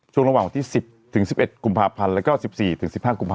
ช่วงระหว่างของที่๑๐๑๑กุพและก็๑๔๑๕กุพ